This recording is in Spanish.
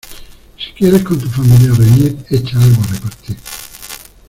Si quieres con tu familia reñir, echa algo a repartir.